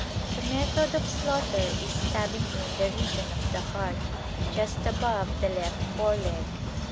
The method of slaughter is stabbing in the region of the heart, just above the left foreleg.